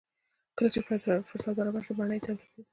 کله چې فرصت برابر شو بڼه يې توپير درلود.